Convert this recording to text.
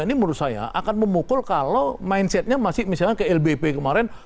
ini menurut saya akan memukul kalau mindsetnya masih misalnya ke lbp kemarin